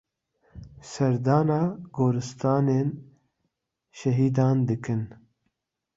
Serdana goristanên şehîdan dikin.